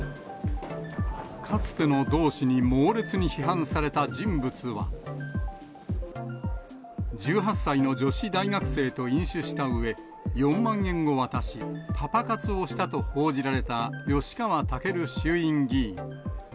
かつての同志に猛烈に批判された人物は、１８歳の女子大学生と飲酒したうえ、４万円を渡し、パパ活をしたと報じられた吉川赳衆院議員。